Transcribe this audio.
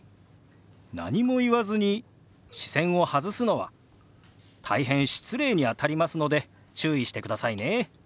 何も言わずに視線を外すのは大変失礼にあたりますので注意してくださいね。